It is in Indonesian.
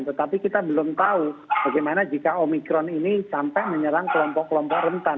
tetapi kita belum tahu bagaimana jika omikron ini sampai menyerang kelompok kelompok rentan